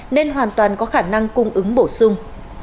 nên hoàn toàn có khả năng cung ứng bổ sung